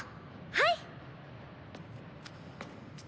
はい！